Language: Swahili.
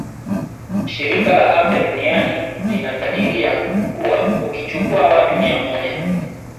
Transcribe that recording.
Shirika la afya duniani linakadiria kuwa ukichukua watu mia moja